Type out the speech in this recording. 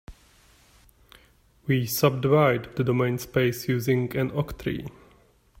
We subdivide the domain space using an octree.